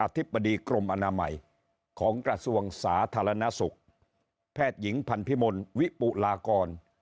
ธิบดีกรมอนามัยของกระทรวงสาธารณสุขแพทย์หญิงพันธิมลวิปุลากร